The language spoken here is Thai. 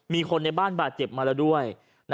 มีคนในบ้านบาดเจ็บมาแล้วด้วย